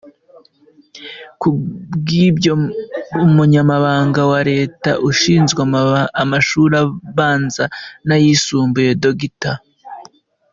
Kubw’ibyo, Umunyamabanga wa Leta ushinzwe amashuri abanza n’ayisumbuye, Dr.